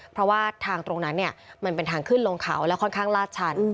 เพราะว่าทางตรงนั้นเนี่ยมันเป็นทางขึ้นลงเขาแล้วค่อนข้างลาดชัน